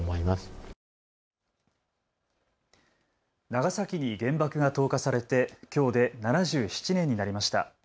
長崎に原爆が投下されてきょうで７７年になりました。